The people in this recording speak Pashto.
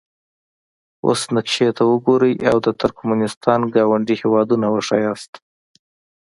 اوس نقشې ته وګورئ او د ترکمنستان ګاونډي هیوادونه وښایاست.